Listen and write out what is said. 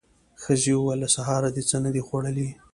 ښځې وويل: له سهاره دې څه نه دي خوړلي.